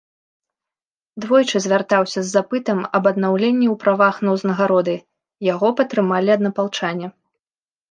Двойчы звяртаўся з запытам аб аднаўленні ў правах на ўзнагароды, яго падтрымалі аднапалчане.